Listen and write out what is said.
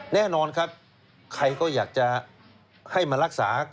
แน่นอนครับใครก็อยากจะให้มารักษา